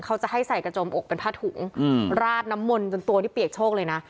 เขาจะให้ใส่กระจมอกเป็นผ้าถุงราดน้ำมนต์จนตัวนี่เปียกโชคเลยนะ